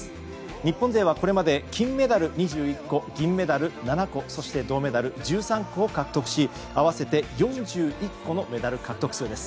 日本勢はこれまで金メダル２１個銀メダル７個そして銅メダル１３個を獲得し合わせて４１個のメダル獲得数です。